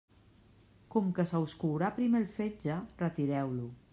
Com que se us courà primer el fetge, retireu-lo.